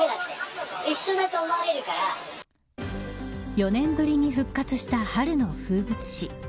４年ぶりに復活した春の風物詩。